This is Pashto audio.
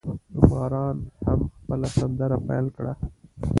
نو باران هم خپل سندره پیل کړه.